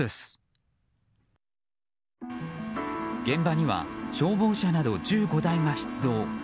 現場には消防車など１５台が出動。